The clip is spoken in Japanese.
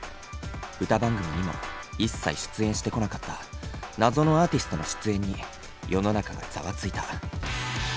歌番組にも一切出演してこなかった謎のアーティストの出演に世の中がざわついた。